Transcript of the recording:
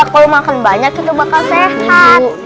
kalau makan banyak itu bakal sehat